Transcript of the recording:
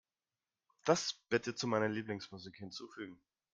Das bitte zu meiner Lieblingsmusik hinzufügen.